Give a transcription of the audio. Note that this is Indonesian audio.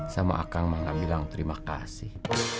sama akang mak enggak bilang terima kasih